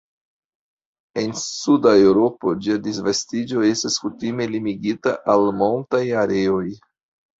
En suda Eŭropo, ĝia disvastiĝo estas kutime limigita al montaj areoj.